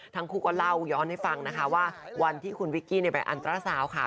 ทั้งคู่ก็เล่าย้อนให้ฟังนะคะว่าวันที่คุณวิกกี้ไปอันตราสาวค่ะ